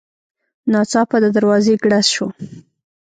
ناڅاپه د دروازې ګړز شو.